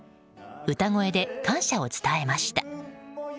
歌声で、感謝を伝えました。